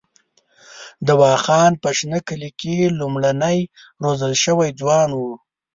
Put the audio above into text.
دوا خان په شنه کلي کې لومړنی روزل شوی ځوان وو.